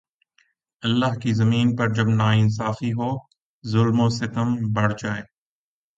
اللہ کی زمین پر جب ناانصافی ہو ، ظلم و ستم بڑھ جائے